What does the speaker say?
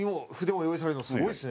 すごいですね。